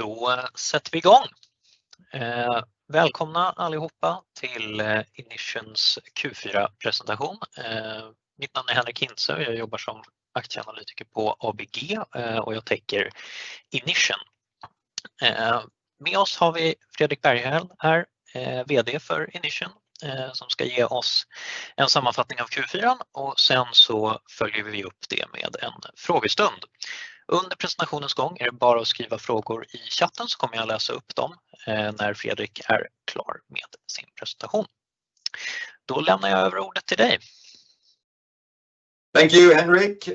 Då sätter vi i gång. Välkomna allihopa till Inission's Q4 presentation. Mitt namn är Henric Hintze och jag jobbar som aktieanalytiker på ABG och jag täcker Inission. Med oss har vi Fredrik Berghel här, VD för Inission, som ska ge oss en sammanfattning av Q4 och sen så följer vi upp det med en frågestund. Under presentationens gång är det bara att skriva frågor i chatten så kommer jag läsa upp dem när Fredrik är klar med sin presentation. Då lämnar jag över ordet till dig. Thank you, Henric.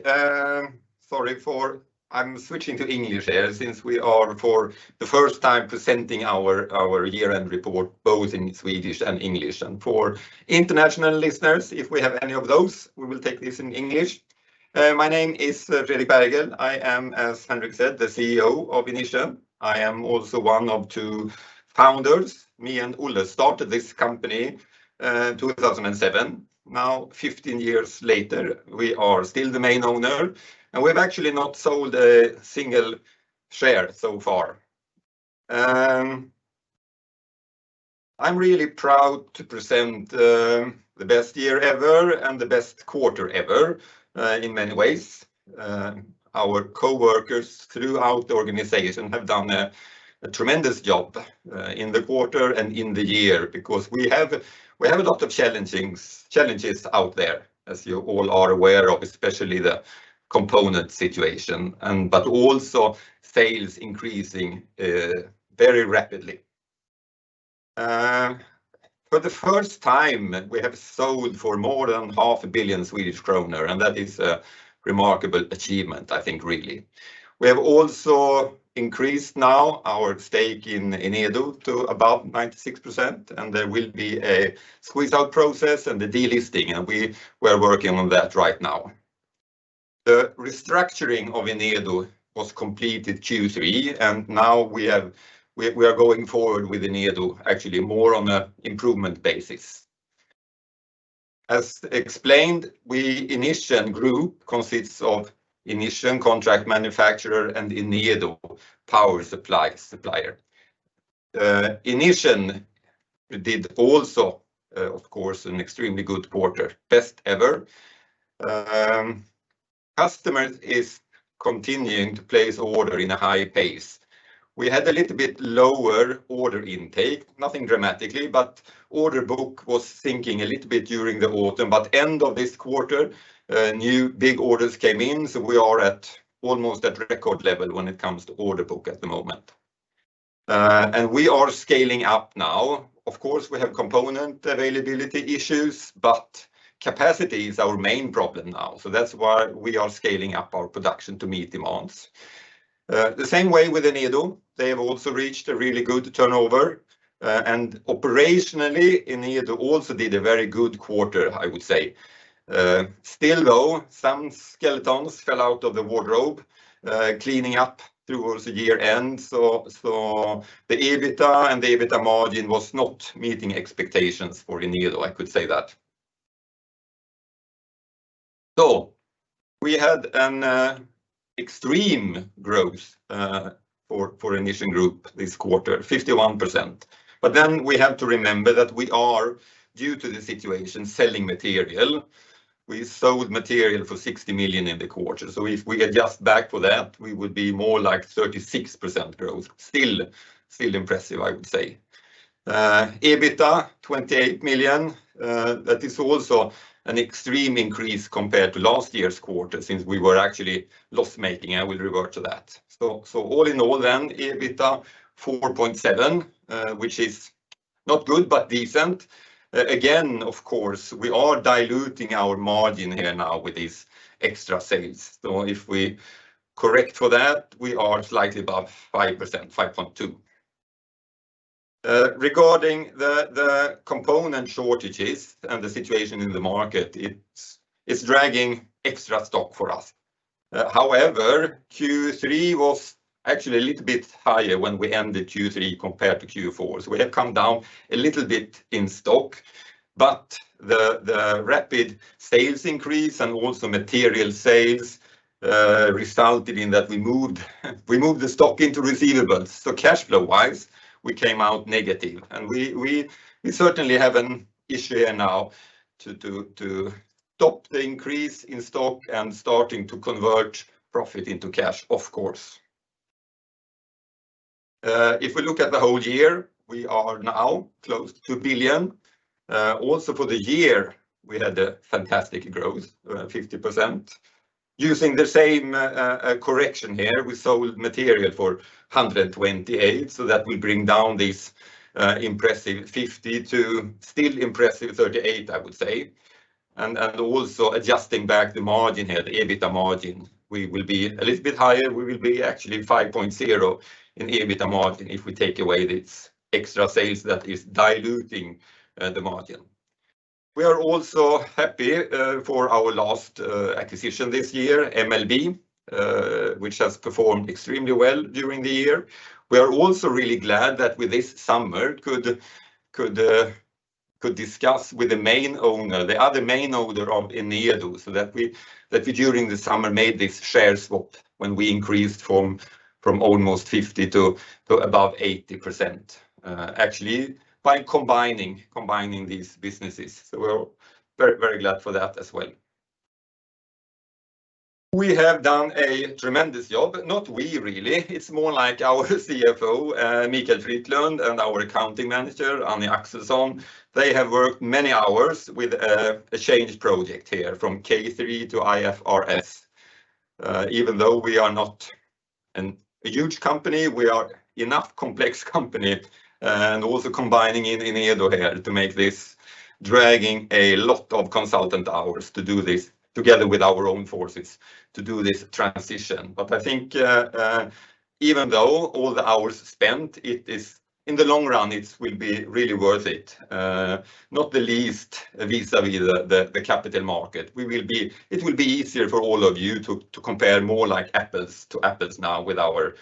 I'm switching to English here since we are for the first time presenting our year-end report both in Swedish and English. For international listeners, if we have any of those, we will take this in English. My name is Fredrik Berghel. I am, as Henric said, the CEO of Inission. I am also one of two founders. Me and Olof started this company 2007. Now 15 years later, we are still the main owner, and we've actually not sold a single share so far. I'm really proud to present the best year ever and the best quarter ever in many ways. Our coworkers throughout the organization have done a tremendous job in the quarter and in the year because we have a lot of challenges out there, as you all are aware of, especially the component situation and, but also sales increasing very rapidly. For the first time, we have sold for more than half a billion SEK, and that is a remarkable achievement, I think, really. We have also increased now our stake in Enedo to about 96%, and there will be a squeeze-out process and the delisting, and we're working on that right now. The restructuring of Enedo was completed Q3, and now we are going forward with Enedo actually more on a improvement basis. As explained, we, Inission Group consists of Inission Contract Manufacturer and Enedo Power Supply Supplier. Inission did also, of course, an extremely good quarter, best ever. Customers is continuing to place order in a high pace. We had a little bit lower order intake, nothing dramatically, but order book was sinking a little bit during the autumn, but end of this quarter, new big orders came in, so we are at almost at record level when it comes to order book at the moment. We are scaling up now. Of course, we have component availability issues, but capacity is our main problem now. That's why we are scaling up our production to meet demands. The same way with Enedo. They have also reached a really good turnover, and operationally, Enedo also did a very good quarter, I would say. Still, though, some skeletons fell out of the wardrobe, cleaning up towards the year end. The EBITDA and the EBITDA margin was not meeting expectations for Enedo, I could say that. We had an extreme growth for Inission Group this quarter, 51%. We have to remember that we are, due to the situation, selling material. We sold material for 60 million in the quarter. If we adjust back for that, we would be more like 36% growth. Still impressive, I would say. EBITDA, 28 million, that is also an extreme increase compared to last year's quarter since we were actually loss-making. I will revert to that. All in all, EBITDA, 4.7%, which is not good, but decent. Again, of course, we are diluting our margin here now with these extra sales. If we correct for that, we are slightly above 5%, 5.2%. Regarding the component shortages and the situation in the market, it's dragging extra stock for us. However, Q3 was actually a little bit higher when we ended Q3 compared to Q4. We have come down a little bit in stock, but the rapid sales increase and also material sales resulted in that we moved the stock into receivables. Cash flow-wise, we came out negative. We certainly have an issue here now to stop the increase in stock and starting to convert profit into cash, of course. If we look at the whole year, we are now close to 1 billion. Also for the year, we had a fantastic growth, 50%. Using the same correction here, we sold material for 128, so that will bring down this impressive 50 to still impressive 38, I would say. Also adjusting back the margin here, the EBITDA margin, we will be a little bit higher. We will be actually 5.0% in EBITDA margin if we take away this extra sales that is diluting the margin. We are also happy for our last acquisition this year, MLB, which has performed extremely well during the year. We are also really glad that with this summer could discuss with the main owner, the other main owner of Enedo so that we during the summer made this share swap when we increased from almost 50% to above 80% actually by combining these businesses. We're very, very glad for that as well. We have done a tremendous job, not we really, it's more like our CFO, Mikael Fryklund and our Accounting Manager, Annie Axelsson. They have worked many hours with a change project here from K3 to IFRS. Even though we are not a huge company, we are enough complex company and also combining Enedo here to make this, dragging a lot of consultant hours to do this together with our own forces to do this transition. I think, even though all the hours spent, in the long run, it will be really worth it. Not the least vis-a-vis the capital market. It will be easier for all of you to compare more like apples to apples now with our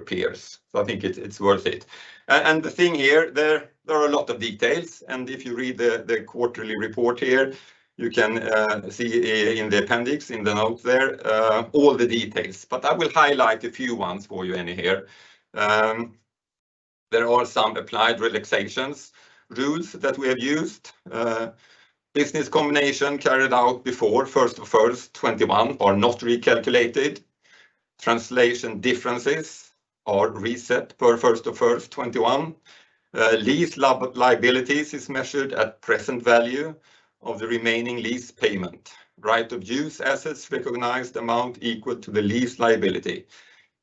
peers. I think it's worth it. The thing here, there are a lot of details, and if you read the quarterly report here, you can see in the appendix, in the note there, all the details. I will highlight a few ones for you in here. There are some applied relaxations rules that we have used. Business combination carried out before 1st of 1st 2021 are not recalculated. Translation differences are reset per first of first 2021. Lease liabilities is measured at present value of the remaining lease payment. Right-of-use assets recognized amount equal to the lease liability,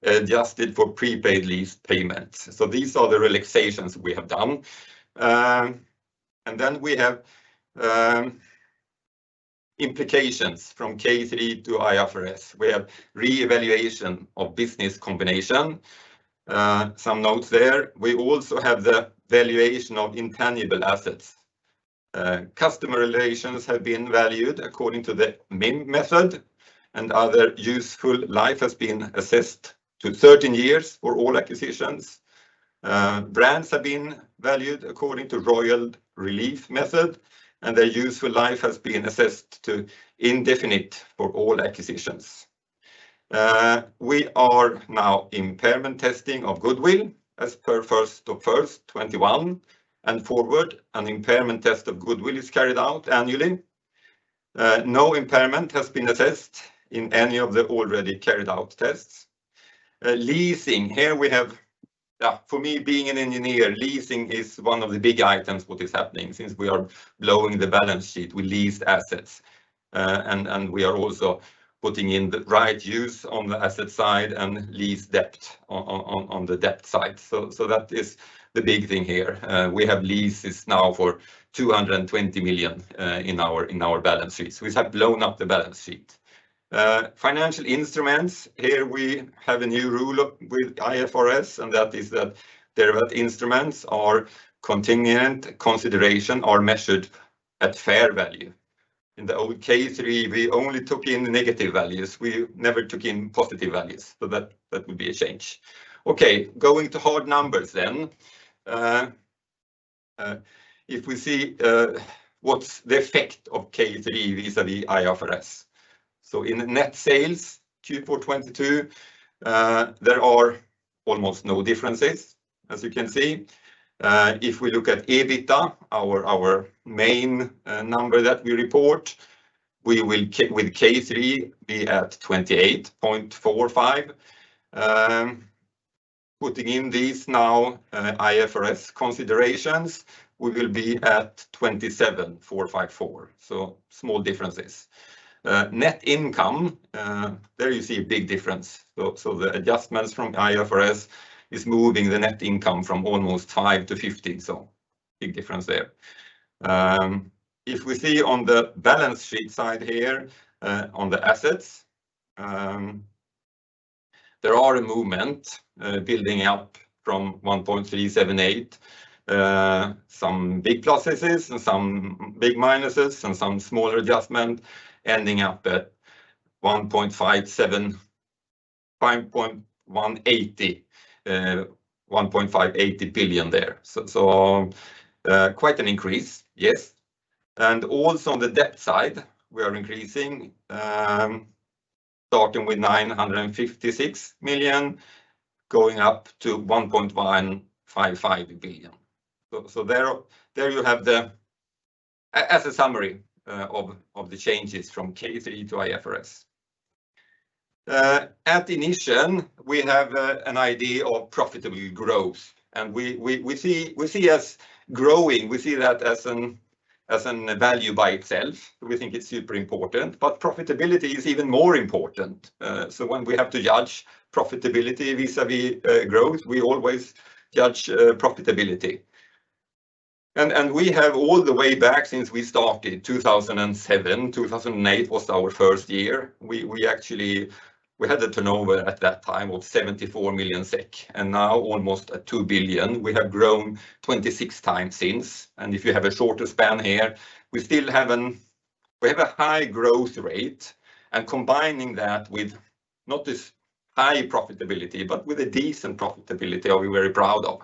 adjusted for prepaid lease payments. These are the relaxations we have done. Then we have implications from K3 to IFRS. We have reevaluation of business combination. Some notes there. We also have the valuation of intangible assets. Customer relations have been valued according to the MEEM method, and other useful life has been assessed to 13 years for all acquisitions. Brands have been valued according to Relief from Royalty Method, and their useful life has been assessed to indefinite for all acquisitions. We are now impairment testing of goodwill as per first of first 2021 and forward. An impairment test of goodwill is carried out annually. No impairment has been assessed in any of the already carried out tests. Leasing, for me, being an engineer, leasing is one of the big items what is happening since we are blowing the balance sheet with leased assets. And we are also putting in the right-of-use assets on the asset side and lease debt on the debt side. That is the big thing here. We have leases now for 220 million in our balance sheets. We have blown up the balance sheet. Financial instruments, here we have a new rule with IFRS, and that is that derivative instruments or contingent consideration are measured at fair value. In the old K3, we only took in the negative values. We never took in positive values. That would be a change. Okay, going to hard numbers then. If we see what's the effect of K3 vis-a-vis IFRS. In net sales Q4 2022, there are almost no differences, as you can see. If we look at EBITDA, our main number that we report, we will with K3 be at 28.45%. Putting in these now, IFRS considerations, we will be at 27.54. Small differences. Net income, there you see a big difference. The adjustments from IFRS is moving the net income from almost 5 to 15. Big difference there. If we see on the balance sheet side here, on the assets, there are a movement, building up from 1.378 billion, some big pluses and some big minuses and some smaller adjustment ending up at 1.580 billion there. Quite an increase, yes. Also on the debt side, we are increasing, starting with 956 million, going up to 1.155 billion. There you have the as a summary of the changes from K3 to IFRS. At Inission, we have an idea of profitable growth, and we see us growing. We see that as an value by itself. We think it's super important, but profitability is even more important. When we have to judge profitability vis-a-vis growth, we always judge profitability. We have all the way back since we started, 2007, 2008 was our first year. We had a turnover at that time of 74 million SEK, and now almost at 2 billion. We have grown 26 times since. If you have a shorter span here, we still have a high growth rate and combining that with not this high profitability, but with a decent profitability are we very proud of.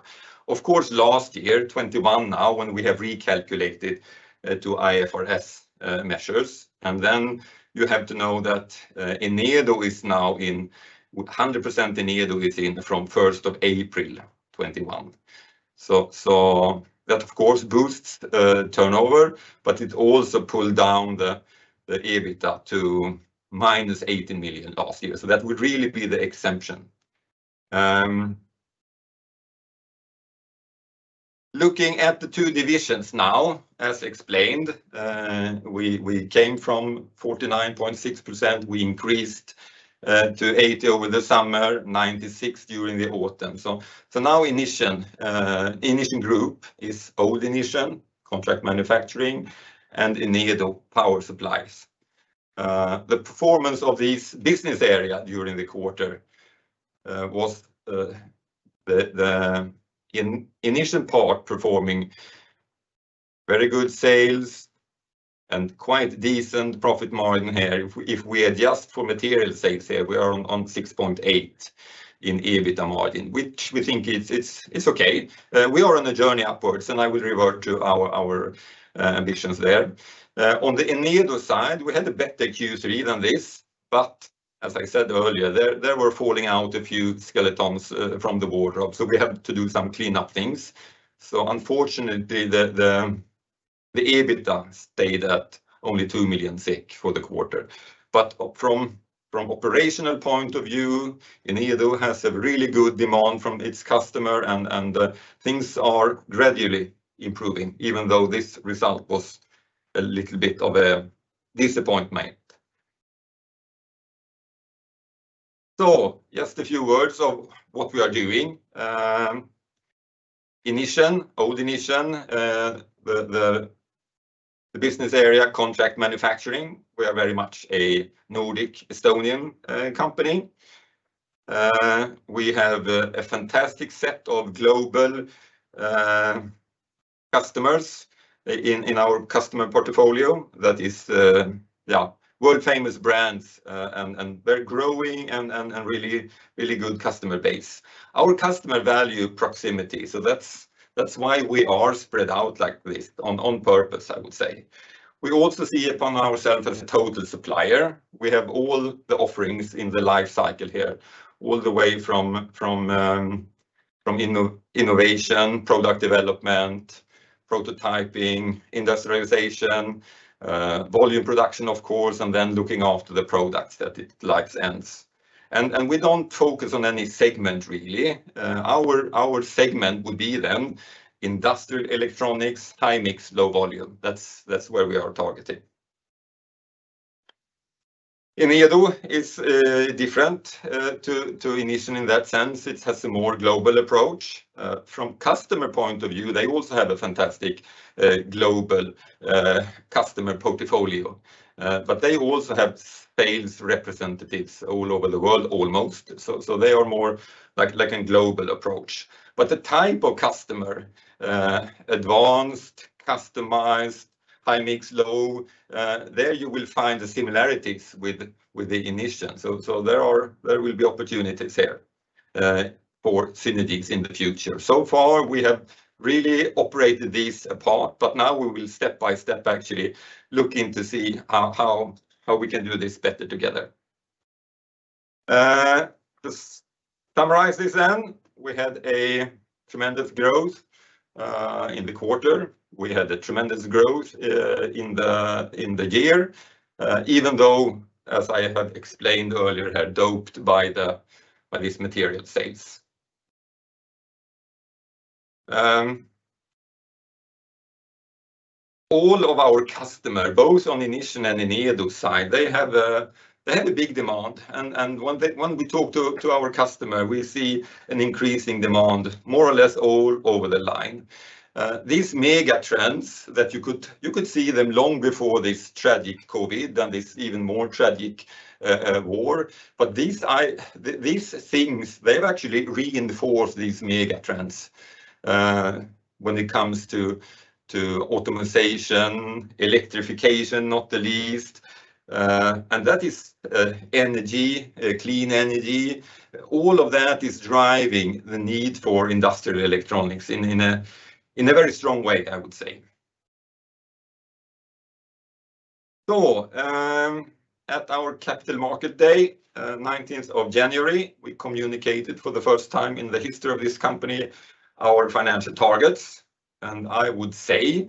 Of course, last year, 2021 now, when we have recalculated to IFRS measures, you have to know that Enedo is now in 100% Enedo within from 1st of April, 2021. That of course boosts turnover, but it also pulled down the EBITDA to -80 million last year. That would really be the exemption. Looking at the two divisions now, as explained, we came from 49.6%. We increased to 80% over the summer, 96% during the autumn. Now Inission Group is old Inission contract manufacturing and Enedo power supplies. The performance of this business area during the quarter was the Inission part performing very good sales and quite decent profit margin here. If we adjust for material sales here, we are on 6.8% EBITDA margin, which we think is, it's okay. We are on a journey upwards, and I will revert to our ambitions there. On the Enedo side, we had a better Q3 than this, but as I said earlier, there were falling out a few skeletons from the wardrobe, so we have to do some cleanup things. Unfortunately, the EBITDA stayed at only 2 million for the quarter. From operational point of view, Enedo has a really good demand from its customer and things are gradually improving, even though this result was a little bit of a disappointment. Just a few words of what we are doing. Inission, old Inission, the business area contract manufacturing, we are very much a Nordic Estonian company. We have a fantastic set of global customers in our customer portfolio that is, yeah, world-famous brands and very growing and really, really good customer base. Our customer value proximity. That's why we are spread out like this on purpose, I would say. We also see upon ourselves as a total supplier. We have all the offerings in the life cycle here, all the way from innovation, product development, prototyping, industrialization, volume production of course, and then looking after the products that its life ends. We don't focus on any segment really. Our segment would be then industrial electronics, high-mix, low-volume. That's where we are targeting. Enedo is different to Inission in that sense. It has a more global approach. From customer point of view, they also have a fantastic global customer portfolio. They also have sales representatives all over the world almost. They are more like a global approach. The type of customer, advanced, customized, high-mix, low, there you will find the similarities with Inission. There will be opportunities here for synergies in the future. So far, we have really operated these apart. Now we will step by step actually looking to see how we can do this better together. To summarize this then, we had a tremendous growth in the quarter. We had a tremendous growth in the year, even though, as I have explained earlier, had doped by this material sales. All of our customer, both on Inission and Enedo side, they have a big demand and when we talk to our customer, we see an increasing demand more or less all over the line. These mega trends that you could see them long before this tragic COVID and this even more tragic war, but these things, they've actually reinforced these mega trends when it comes to automatization, electrification not the least, and that is energy, clean energy. All of that is driving the need for industrial electronics in a very strong way, I would say. At our Capital Market Day, 19th of January, we communicated for the first time in the history of this company our financial targets, and I would say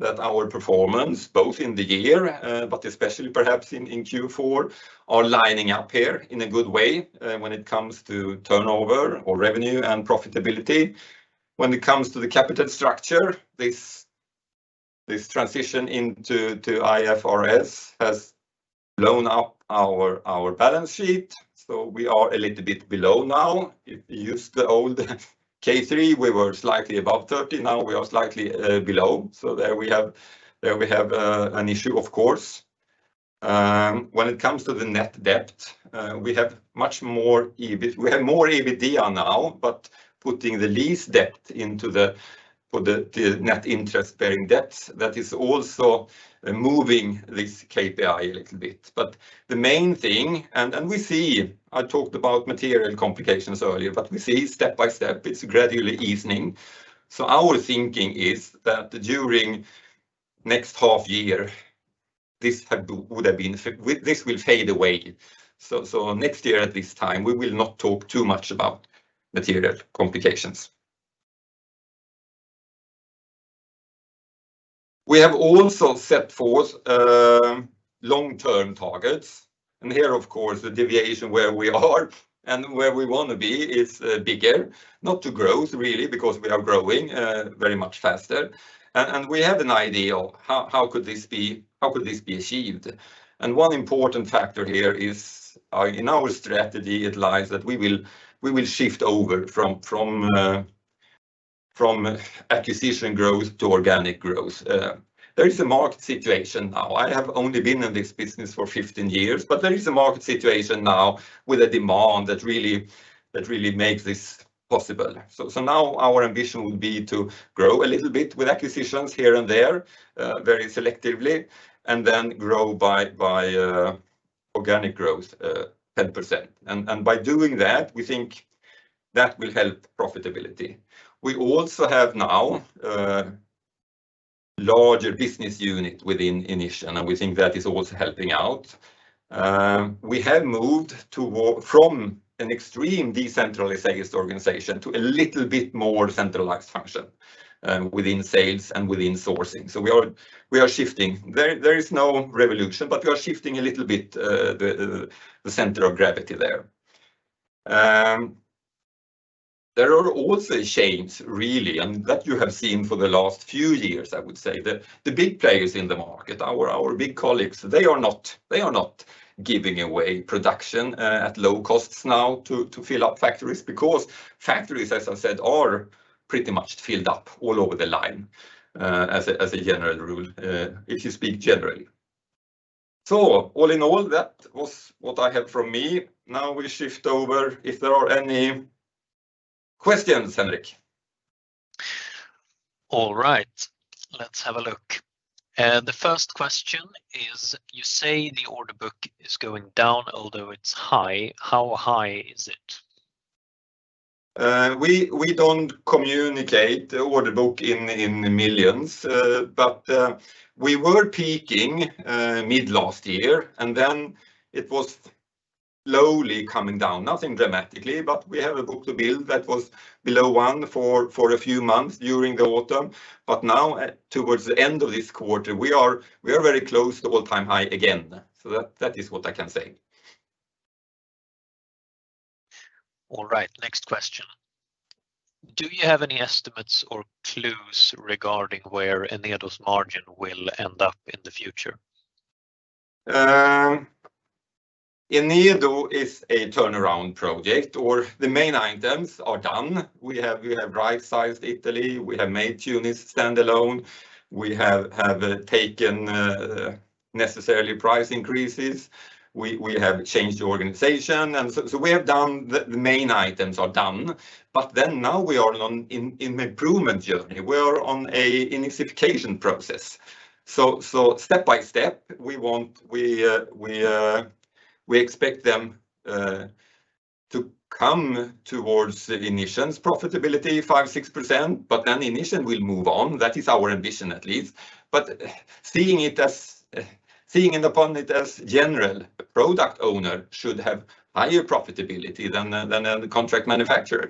that our performance, both in the year, but especially perhaps in Q4, are lining up here in a good way when it comes to turnover or revenue and profitability. When it comes to the capital structure, this transition into to IFRS has blown up our balance sheet. We are a little bit below now. If you use the old K3, we were slightly above 30, now we are slightly below. There we have an issue of course. When it comes to the net debt, we have more EBITDA now, putting the lease debt into the net interest-bearing debt, that is also moving this KPI a little bit. The main thing, and we see, I talked about material complications earlier, but we see step by step it's gradually evening. Our thinking is that during next half year, this will fade away. Next year at this time, we will not talk too much about material complications. We have also set forth long-term targets, here, of course, the deviation where we are and where we wanna be is bigger, not to growth really because we are growing very much faster. We have an idea of how could this be, how could this be achieved? One important factor here is in our strategy it lies that we will shift over from acquisition growth to organic growth. There is a market situation now. I have only been in this business for 15 years, there is a market situation now with a demand that really makes this possible. So now our ambition would be to grow a little bit with acquisitions here and there, very selectively, and then grow by organic growth, 10%. By doing that, we think that will help profitability. We also have now larger business unit within Inission, and we think that is also helping out. We have moved from an extreme decentralized sales organization to a little bit more centralized function, within sales and within sourcing. We are shifting. There is no revolution, but we are shifting a little bit the center of gravity there. There are also changes really, and that you have seen for the last few years, I would say. The big players in the market, our big colleagues, they are not, they are not giving away production at low costs now to fill up factories because factories, as I said, are pretty much filled up all over the line as a general rule, if you speak generally. All in all, that was what I have from me. Now we shift over if there are any questions, Henric. All right. Let's have a look. The first question is you say the order book is going down, although it's high. How high is it? We don't communicate the order book in millions. We were peaking mid last year, and then it was slowly coming down. Nothing dramatically, but we have a book-to-bill that was below one for a few months during the autumn. Now at, towards the end of this quarter, we are very close to all-time high again. That is what I can say. All right, next question. Do you have any estimates or clues regarding where Enedo's margin will end up in the future? Enedo is a turnaround project, or the main items are done. We have right-sized Italy, we have made Tunis stand alone. We have taken necessarily price increases. We have changed the organization, we have done the main items are done. Now we are on improvement journey. We are on a integration process. Step by step, we expect them to come towards Inission's profitability 5%-6%, Inission will move on. That is our ambition at least. Seeing it upon it as general product owner should have higher profitability than a contract manufacturer.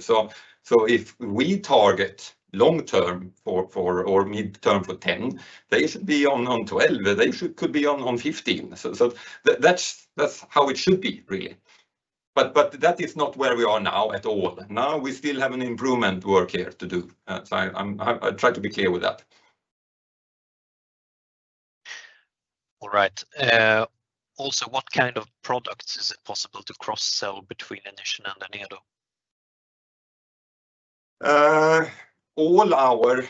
If we target long term for or mid term for 10%, they should be on 12%. They should, could be on 15%. That's how it should be really. That is not where we are now at all. Now we still have an improvement work here to do. I try to be clear with that. All right. Also, what kind of products is it possible to cross-sell between Inission and Enedo? All our,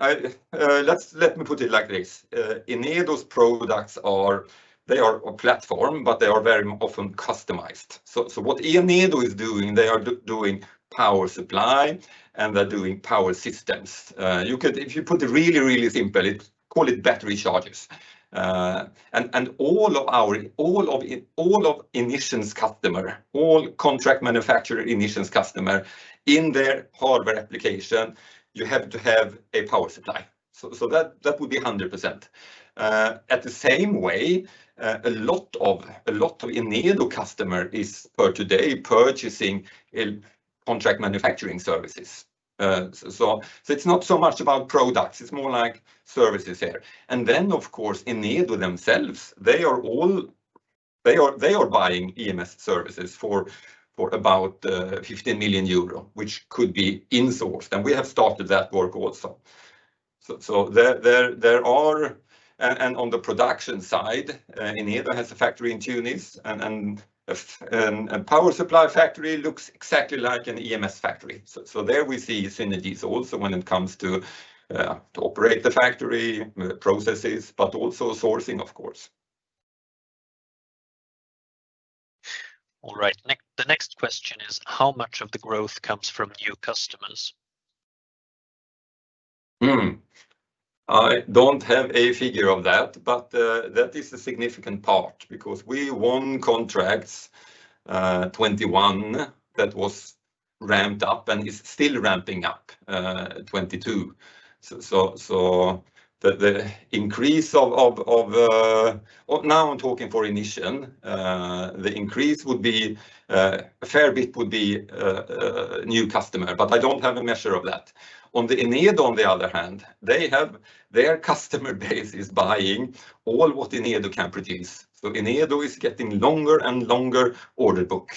let me put it like this. Enedo's products are, they are a platform, but they are very often customized. What Enedo is doing, they are doing power supply, and they're doing power systems. You could, if you put it really, really simple, call it battery charges. All of our, all of Inission's customer, all contract manufacturer Inission's customer in their hardware application, you have to have a power supply. That would be 100%. At the same way, a lot of Enedo customer is per today purchasing contract manufacturing services. It's not so much about products, it's more like services there. Then, of course, Enedo themselves, they are all, they are buying EMS services for about 15 million euro, which could be insourced. We have started that work also. There are, and on the production side, Enedo has a factory in Tunis, and power supply factory looks exactly like an EMS factory. There we see synergies also when it comes to operate the factory, processes, but also sourcing of course. All right. The next question is how much of the growth comes from new customers? I don't have a figure of that, but that is a significant part because we won contracts in 2021 that was ramped up and is still ramping up in 2022. The increase of... Well, now I'm talking for Inission. The increase would be a fair bit would be a new customer, but I don't have a measure of that. On the Enedo on the other hand, they have. Their customer base is buying all what Enedo can produce. Enedo is getting longer and longer order book.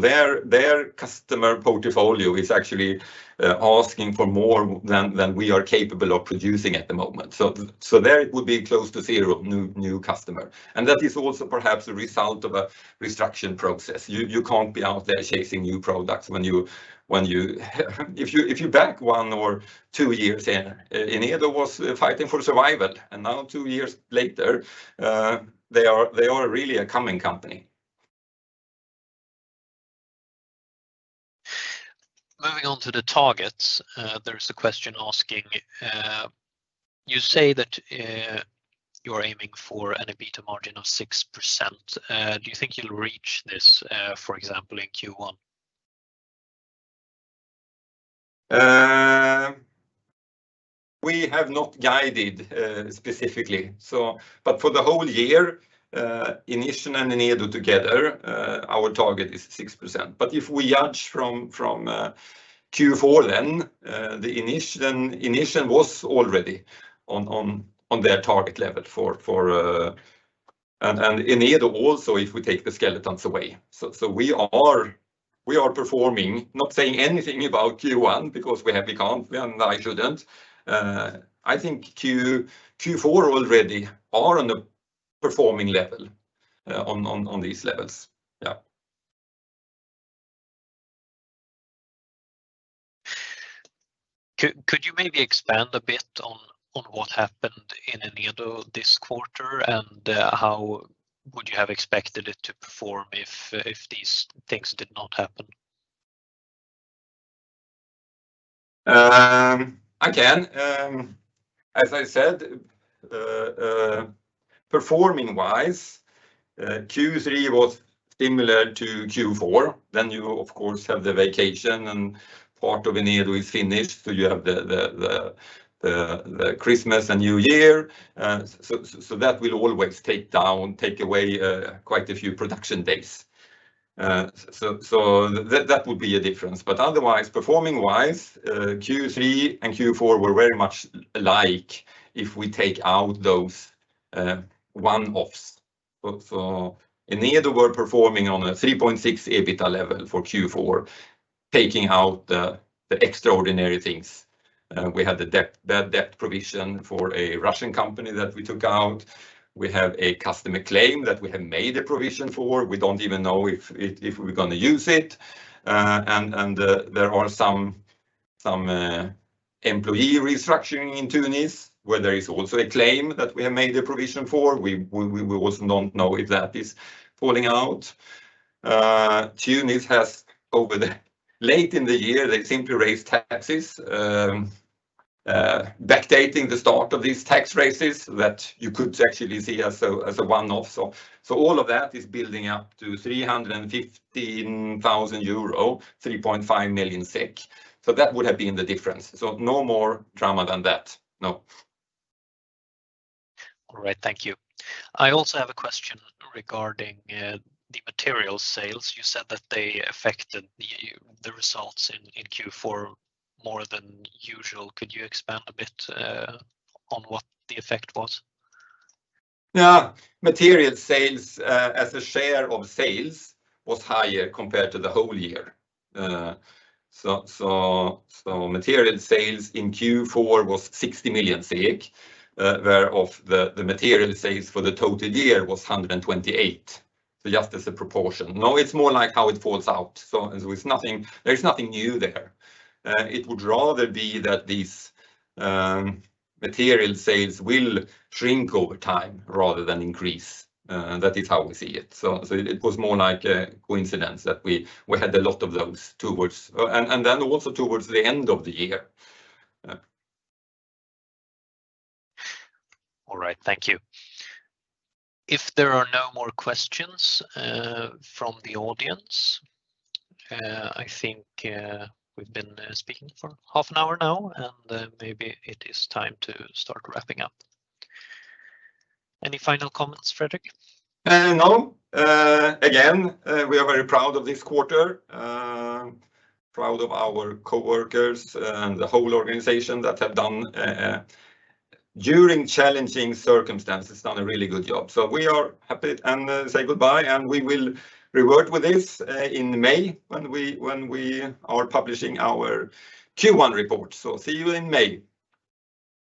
Their customer portfolio is actually asking for more than we are capable of producing at the moment. There it would be close to 0 new customer, and that is also perhaps a result of a restructuring process. You can't be out there chasing new products. If you're back one or two years in, Enedo was fighting for survival, and now two years later, they are really a coming company. Moving on to the targets, there's a question asking, you say that, you're aiming for an EBITDA margin of 6%. Do you think you'll reach this, for example, in Q1? We have not guided specifically, so... For the whole year, Inission and Enedo together, our target is 6%. If we judge from Q4 then, the Inission was already on their target level for... Enedo also if we take the skeletons away. We are performing. Not saying anything about Q1 because we have... We can't, and I shouldn't. I think Q4 already are on the performing level, on these levels. Yeah. Could you maybe expand a bit on what happened in Enedo this quarter, and how would you have expected it to perform if these things did not happen? I can. As I said, performing-wise, Q3 was similar to Q4. You of course have the vacation and part of Enedo is finished, so you have the Christmas and New Year. That will always take down, take away quite a few production days. That would be a difference. Otherwise, performing-wise, Q3 and Q4 were very much alike if we take out those one-offs. Enedo were performing on a 3.6 EBITDA level for Q4, taking out the extraordinary things. We had the debt provision for a Russian company that we took out. We have a customer claim that we have made a provision for. We don't even know if we're gonna use it. There are some employee restructuring in Tunis, where there is also a claim that we have made a provision for. We also don't know if that is falling out. Tunis has over the late in the year, they simply raised taxes, backdating the start of these tax raises that you could actually see as a, as a one-off. All of that is building up to 315,000 euro, 3.5 million SEK. That would have been the difference. No more drama than that, no. All right. Thank you. I also have a question regarding the material sales. You said that they affected the results in Q4 more than usual. Could you expand a bit on what the effect was? Yeah. Material sales, as a share of sales was higher compared to the whole year. Material sales in Q4 was 60 million, where of the material sales for the total year was 128 million. Just as a proportion. No, it's more like how it falls out, so, and with nothing. There's nothing new there. It would rather be that these material sales will shrink over time rather than increase. That is how we see it. It was more like a coincidence that we had a lot of those towards. Then also towards the end of the year. Yeah. All right. Thank you. If there are no more questions, from the audience, I think, we've been speaking for half an hour now, and maybe it is time to start wrapping up. Any final comments, Fredrik? No. Again, we are very proud of this quarter, proud of our coworkers and the whole organization that have done during challenging circumstances, done a really good job. We are happy and say goodbye, and we will revert with this in May when we, when we are publishing our Q1 report. See you in May.